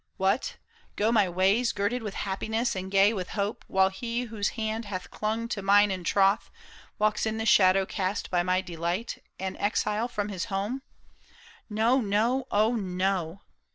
" What, go my ways Girded with happiness and gay with hope. While he whose hand hath clung to mine in troth, Walks in the shadow cast by my delight. An exile from his home ! No, no, O no